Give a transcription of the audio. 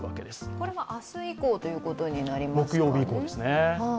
これは明日以降ということになりますね。